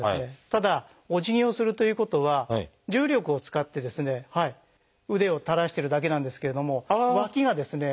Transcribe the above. ただおじぎをするということは重力を使ってですね腕を垂らしてるだけなんですけれども脇がですね